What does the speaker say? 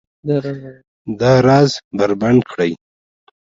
دا راز بربنډ کړي